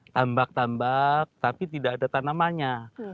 tambak tambak tapi tidak ada tanamannya